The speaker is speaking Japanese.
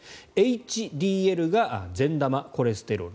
ＨＤＬが善玉コレステロール。